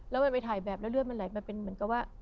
แล้วมันไปถ่ายแบบแล้วเลือดมันไหลมาเป็นเหมือนกับว่า